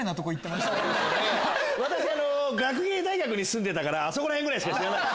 私学芸大学に住んでたからあそこら辺ぐらいしか知らない。